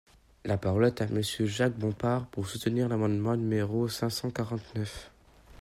La parole est à Monsieur Jacques Bompard, pour soutenir l’amendement numéro cinq cent quarante-neuf.